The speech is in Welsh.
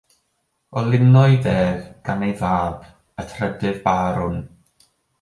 Olynwyd ef gan ei fab, y trydydd Barwn.